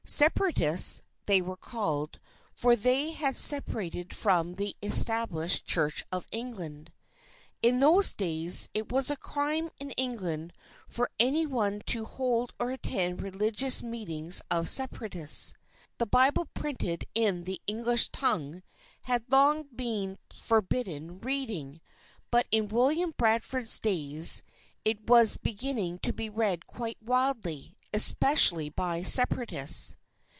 Separatists, they were called, for they had separated from the Established Church of England. In those days, it was a crime in England for any one to hold or attend religious meetings of Separatists. The Bible printed in the English tongue, had long been forbidden reading, but in William Bradford's days, it was beginning to be read quite widely, specially by Separatists.